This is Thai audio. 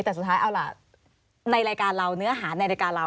แต่สุดท้ายเอาล่ะในรายการเราเนื้อหาในรายการเรา